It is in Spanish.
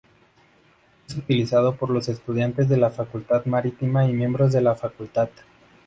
Es utilizado por los estudiantes de la Facultad Marítima y miembros de la facultad.